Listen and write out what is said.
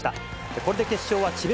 これで決勝は智弁